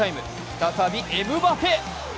再びエムバペ。